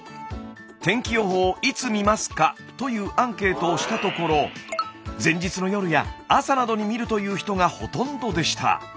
「天気予報をいつ見ますか？」というアンケートをしたところ前日の夜や朝などに見るという人がほとんどでした。